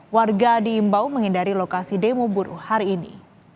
warga diimbau menghindari lokasi demo buruh hari ini